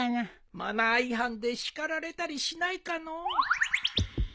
マナー違反で叱られたりしないかのう。